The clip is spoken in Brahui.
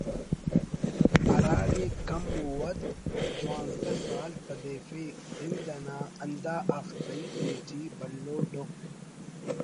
ہراڑے کم و وَد دوانزدہ سال تدیفے زند انا ہندا اختئی تیٹی بھلو ڈکھ